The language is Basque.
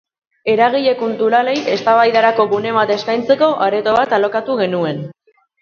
Eragile kulturalei eztabaidarako gune bat eskaintzeko areto bat alokatu genuen.